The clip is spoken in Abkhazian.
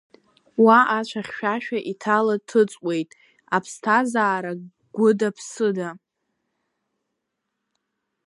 Уа ацәа хьшәашәа иҭала-ҭыҵуеит, аԥсҭазаара гәыда-ԥсыда.